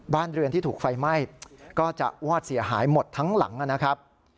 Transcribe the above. บ้านเรือนที่ถูกไฟไหม้ก็จะวอดเสียหายหมดทั้งหลังนะครับ